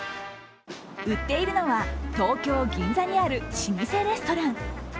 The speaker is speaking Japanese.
売っているのは東京・銀座にある老舗レストラン。